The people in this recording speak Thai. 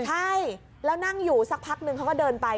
ใช่แล้วนั่งอยู่สักพักนึงเขาก็เดินไป